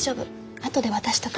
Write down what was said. あとで渡しとく。